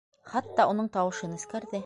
- Хатта уның тауышы нескәрҙе.